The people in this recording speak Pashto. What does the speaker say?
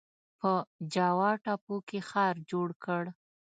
په جاوا ټاپو کې ښار جوړ کړ.